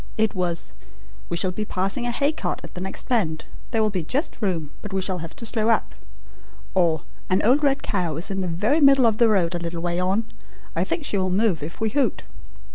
It was: 'We shall be passing a hay cart at the next bend; there will be just room, but we shall have to slow up'; or, 'An old red cow is in the very middle of the road a little way on. I think she will move if we hoot.'